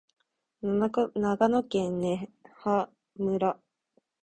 長野県根羽村